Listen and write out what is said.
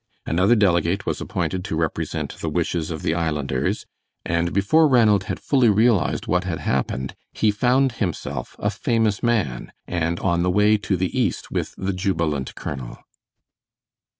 Another delegate was appointed to represent the wishes of the islanders, and before Ranald had fully realized what had happened he found himself a famous man, and on the way to the East with the jubilant colonel.